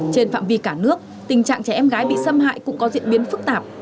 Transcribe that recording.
trên phạm vi cả nước tình trạng trẻ em gái bị xâm hại cũng có diễn biến phức tạp